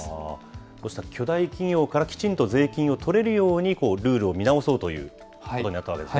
こうした巨大企業からきちんと税金を取れるようにルールを見直そうということになったわけですね。